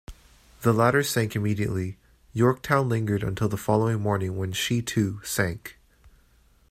The latter sank immediately; "Yorktown" lingered until the following morning when she, too, sank.